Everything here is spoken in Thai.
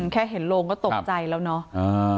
แค่เห็นโรงก็ตกใจแล้วเนาะ